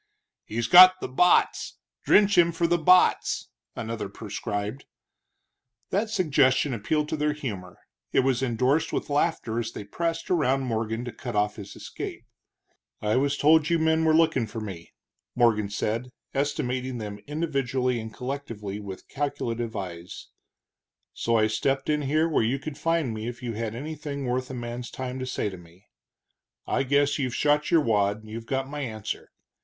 "He's got the botts drench him for the botts," another prescribed. That suggestion appealed to their humor. It was endorsed with laughter as they pressed around Morgan to cut off his escape. "I was told you men were looking for me," Morgan said, estimating them individually and collectively with calculative eyes, "so I stepped in here where you could find me if you had anything worth a man's time to say to me. I guess you've shot your wad, and you've got my answer.